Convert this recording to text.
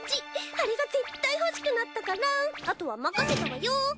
あれが絶対欲しくなったからあとは任せたわよ！